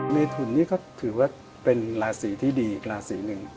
เมทุนนี่ก็ถือว่าเป็นราศีที่ดีอีกราศีหนึ่ง